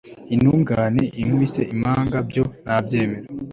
intungane inkubise impana, byo nabyemera